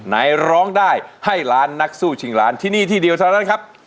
ร้องได้ให้ล้านนักสู้ชิงล้านที่นี่ที่เดียวเท่านั้นครับ